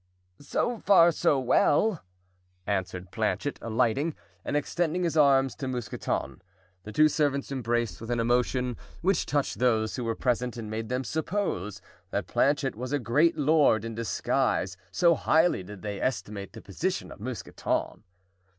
"So far so well," answered Planchet, alighting, and extending his arms to Mousqueton, the two servants embraced with an emotion which touched those who were present and made them suppose that Planchet was a great lord in disguise, so highly did they estimate the position of Mousqueton.